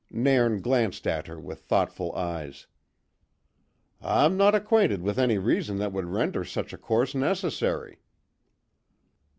Nairn glanced at her with thoughtful eyes. "I'm no acquainted with any reason that would render such a course necessary."